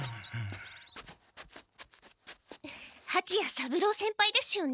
はちや三郎先輩ですよね？